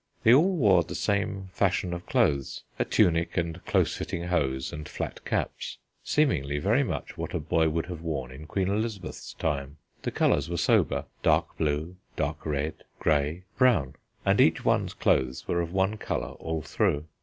They all wore the same fashion of clothes a tunic and close fitting hose and flat caps seemingly very much what a boy would have worn in Queen Elizabeth's time. The colours were sober dark blue, dark red, grey, brown and each one's clothes were of one colour all through.